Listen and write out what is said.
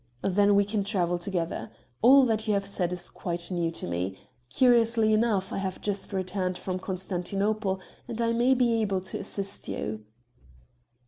"Then we can travel together. All that you have said is quite new to me. Curiously enough, I have just returned from Constantinople, and I may be able to assist you."